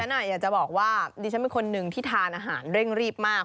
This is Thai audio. อยากจะบอกว่าดิฉันเป็นคนหนึ่งที่ทานอาหารเร่งรีบมาก